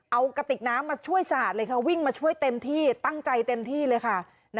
เอากระติกน้ำมาช่วยสาดเลยค่ะวิ่งมาช่วยเต็มที่ตั้งใจเต็มที่เลยค่ะ